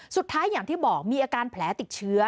สุดท้ายอย่างที่บอกมีอาการแผลติดเชื้อ